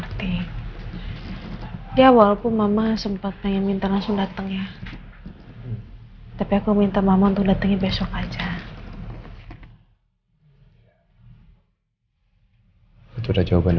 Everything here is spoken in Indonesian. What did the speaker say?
rena juga sempet ngelengik juga